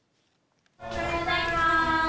おはようございます。